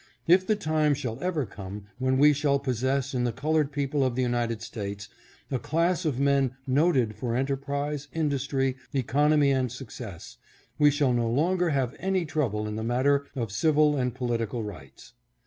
If the time shall ever come when we shall pos sess in the colored people of the United States, a class of men noted for enterprise, industry, economy, and success, we shall no longer have any trouble in the matter of civil and political rights.